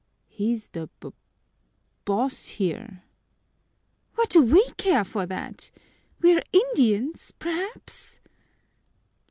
"He's the b boss here!" "What do we care for that? We are Indians, perhaps?"